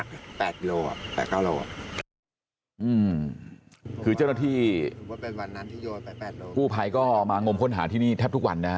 แต่ช่วงที่วัน